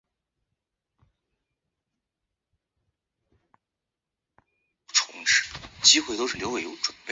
范睢肋骨介为粗面介科肋骨介属下的一个种。